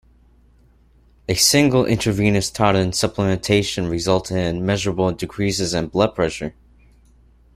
A single intravenous taurine supplementation resulted in measurable decreases in blood pressure.